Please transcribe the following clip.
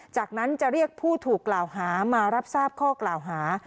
จากนั้นจะเรียกผู้ถูกกล่าวหามารับทราบข้อกล่าวหา